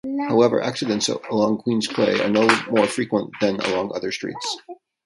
However, accidents along Queens Quay are no more frequent than along other streets.